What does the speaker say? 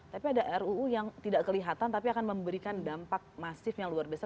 tapi ada ruu yang tidak kelihatan tapi akan memberikan dampak masif yang luar biasa